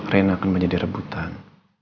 rena akan menjadi rebutan